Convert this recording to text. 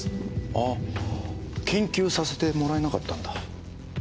ああ研究させてもらえなかったんだ？